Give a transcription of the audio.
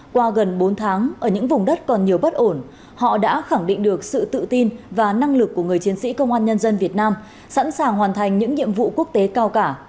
qua gần bốn tháng ở những vùng đất còn nhiều bất ổn họ đã khẳng định được sự tự tin và năng lực của người chiến sĩ công an nhân dân việt nam sẵn sàng hoàn thành những nhiệm vụ quốc tế cao cả